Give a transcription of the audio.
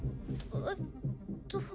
えっと。